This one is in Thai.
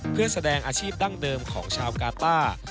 เพื่อแสดงอาชีพดั้งเดิมของชาวกาต้า